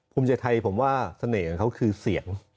ภูมิใจไทยผมว่าเสน่ห์ของเขาคือเสียง